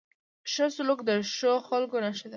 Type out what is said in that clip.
ښه سلوک د ښو خلکو نښه ده.